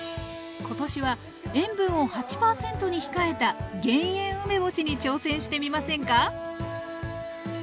今年は塩分を８％に控えた減塩梅干しに挑戦してみませんか？